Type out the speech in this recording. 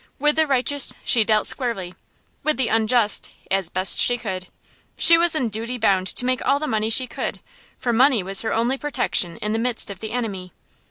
With the righteous she dealt squarely; with the unjust, as best she could. She was in duty bound to make all the money she could, for money was her only protection in the midst of the enemy.